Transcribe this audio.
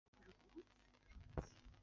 但其合格标准比食用奶粉低。